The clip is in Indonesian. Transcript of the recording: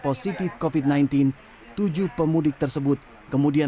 tujuh orang pemudik yang menjelaskan